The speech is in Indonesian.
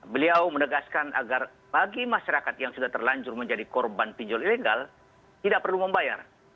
beliau menegaskan agar bagi masyarakat yang sudah terlanjur menjadi korban pinjol ilegal tidak perlu membayar